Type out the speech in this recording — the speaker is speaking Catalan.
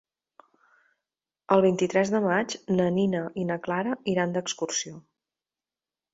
El vint-i-tres de maig na Nina i na Clara iran d'excursió.